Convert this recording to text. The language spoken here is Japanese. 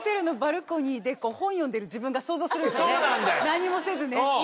何もせずね。